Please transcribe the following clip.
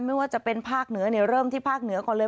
ไม่ว่าจะเป็นภาคเหนือเริ่มที่ภาคเหนือก่อนเลย